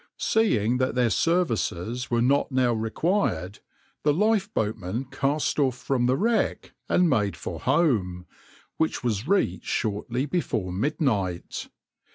\par Seeing that their services were not now required, the lifeboatmen cast off from the wreck and made for home, which was reached shortly before midnight.